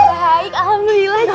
baik alhamdulillah cek